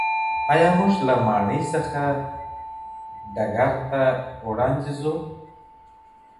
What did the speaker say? ایا موږ له ماڼۍ څخه ډګر ته وړاندي ځو؟